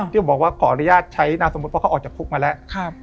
ที่บอกว่าขออนุญาตใช้นามสมมุติเพราะเขาออกจากคุกมาแล้ว